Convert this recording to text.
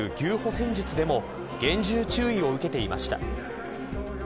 戦術でも厳重注意を受けていました。